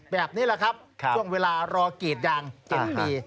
แบบนี้แหละครับช่วงเวลารอกีศอย่างเจ็ดปี